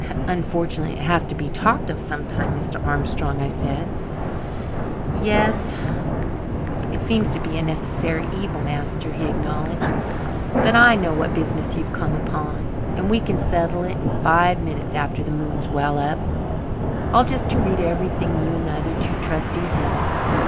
"Unfortunately it has to be talked of sometimes, Mr. Armstrong," I said. "Yes, it seems to be a necessary evil, master," he acknowledged. "But I know what business you've come upon, and we can settle it in five minutes after the moon's well up. I'll just agree to everything you and the other two trustees want.